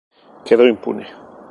Quedó impune.